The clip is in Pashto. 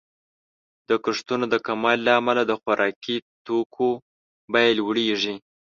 د کښتونو د کموالي له امله د خوراکي توکو بیې لوړیږي.